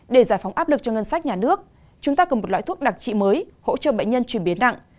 để giải phóng áp lực cho ngân sách nhà nước chúng ta cần một loại thuốc đặc trị mới hỗ trợ bệnh nhân chuyển biến nặng